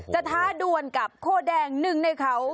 ท้าด่วนกับโคแดงหนึ่งในเขา